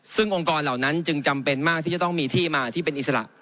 ซึ่งองค์กรเหล่านั้นจึงจำเป็นมากที่จะต้องมีที่มาที่เป็นอิสระ